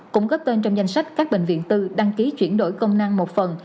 cũng góp tên trong danh sách các bệnh viện tư đăng ký chuyển đổi công năng một phần